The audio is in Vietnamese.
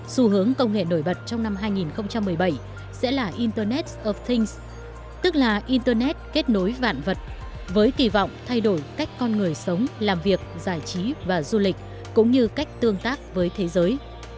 xu hướng công nghệ nổi bật trong năm hai nghìn một mươi bảy sẽ là internet of things tức là internet kết nối vạn vật với kỳ vọng thay đổi cách con người sống làm việc giải trí và du lịch cũng như cách tương tác với thế giới